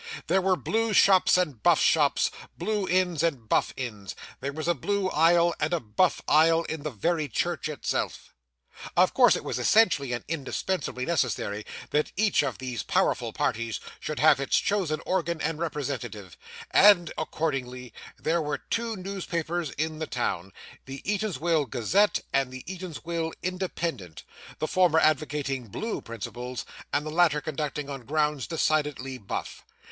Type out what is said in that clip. There were Blue shops and Buff shops, Blue inns and Buff inns there was a Blue aisle and a Buff aisle in the very church itself. Of course it was essentially and indispensably necessary that each of these powerful parties should have its chosen organ and representative: and, accordingly, there were two newspapers in the town the Eatanswill Gazette and the Eatanswill Independent; the former advocating Blue principles, and the latter conducted on grounds decidedly Buff.